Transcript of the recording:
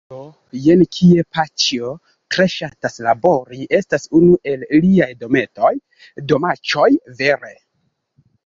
Do, jen kie paĉjo tre ŝatas labori estas unu el liaj dometoj, domaĉoj vere